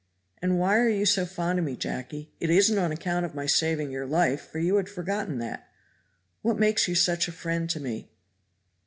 "And why are you so fond of me, Jacky? It isn't on account of my saving your life, for you had forgotten that. What makes you such a friend to me?"